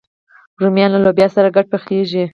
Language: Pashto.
رومیان له لوبیا سره ګډ پخېږي